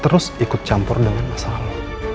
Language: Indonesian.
terus ikut campur dengan masalah